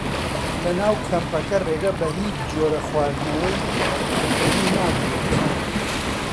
لە ناو کەمپەکە ڕێگە بە هیچ جۆرە خواردنەوەی کحوولی نادرێت.